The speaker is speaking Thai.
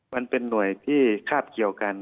มันเป็นหน่วยที่คาบเกี่ยวกัน